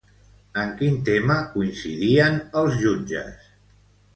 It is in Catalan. En quin tema coincidien els jutges?